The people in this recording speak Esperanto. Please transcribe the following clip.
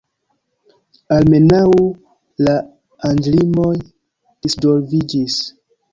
Almenaŭ la aĝlimoj disŝoviĝis.